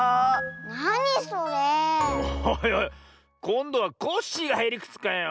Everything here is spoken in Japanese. こんどはコッシーがへりくつかよ。